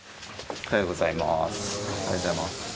おはようございます。